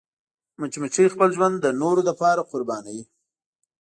مچمچۍ خپل ژوند د نورو لپاره قربانوي